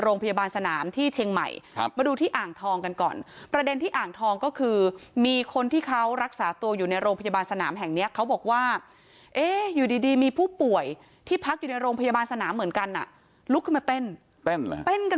โรงพยาบาลสนามที่เชียงใหม่ครับมาดูที่อ่างทองกันก่อนประเด็นที่อ่างทองก็คือมีคนที่เขารักษาตัวอยู่ในโรงพยาบาลสนามแห่งเนี้ยเขาบอกว่าเอ๊ะอยู่ดีดีมีผู้ป่วยที่พักอยู่ในโรงพยาบาลสนามเหมือนกันอ่ะลุกขึ้นมาเต้นกัน